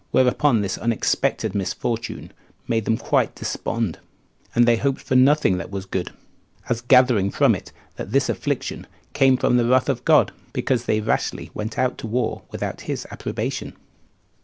Whereupon this unexpected misfortune made them quite despond; and they hoped for nothing that was good; as gathering from it, that this affliction came from the wrath of God, because they rashly went out to war without his approbation.